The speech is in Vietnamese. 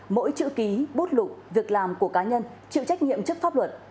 mỗi chữ ký bút lục việc làm của cá nhân chịu trách nhiệm trước pháp luật